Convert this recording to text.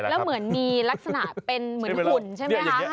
แล้วเหมือนมีลักษณะเป็นเหมือนหุ่นใช่ไหมคะ